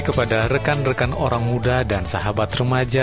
semoga tuhan memberkati kita semua